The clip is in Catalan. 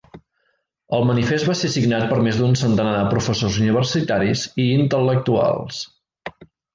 El manifest va ser signat per més d'un centenar de professors universitaris i intel·lectuals.